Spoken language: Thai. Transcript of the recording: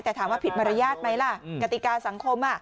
แต่ถามว่าผิดมารยาทไหมล่ะกติกาสังคม